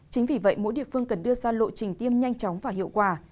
chính vì vậy mỗi địa phương cần đưa ra lộ trình tiêm nhanh chóng và hiệu quả